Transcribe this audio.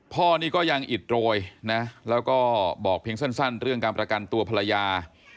พ่อนี่ก็ยังอิดโรยนะแล้วก็บอกเพียงสั้นเรื่องการประกันตัวภรรยา